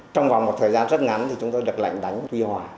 trong vòng một thời gian rất ngắn thì chúng tôi được lệnh đánh tuy hòa